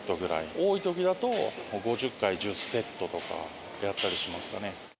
多いときだと５０回１０セットとかやったりしますかね。